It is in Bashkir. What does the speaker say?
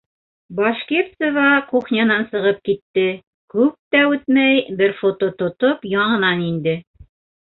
- Башкирцева кухнянан сығып китте, күп тә үтмәй, бер фото тотоп яңынан инде.